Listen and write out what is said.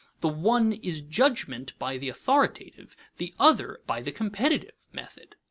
The one is judgment by the authoritative, the other by the competitive, method.